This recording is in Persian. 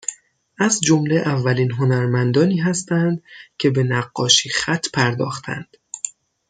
از جمله اولین هنرمندانی هستند که به نقاشیخط پرداختند